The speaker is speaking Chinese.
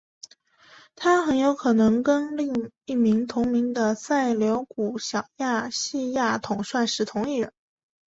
他很有可能跟另一位同名的塞琉古小亚细亚统帅是同一人。